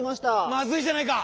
まずいじゃないか！